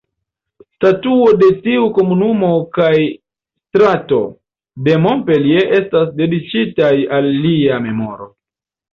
Statuo de tiu komunumo kaj strato de Montpellier estas dediĉitaj al lia memoro.